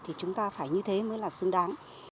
thì chúng ta phải như thế mới là xứng đáng